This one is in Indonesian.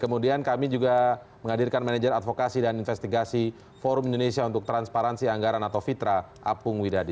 kemudian kami juga menghadirkan manajer advokasi dan investigasi forum indonesia untuk transparansi anggaran atau fitra apung widadi